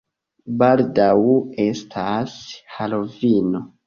Baldaŭ estas Halovino.